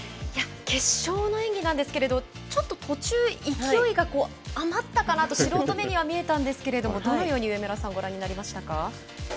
決勝の演技なんですけどちょっと途中、勢いが余ったかなと素人目には見えたんですけれどもどうご覧になりましたか。